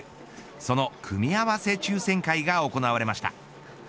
その組み合わせ抽選会が行われました。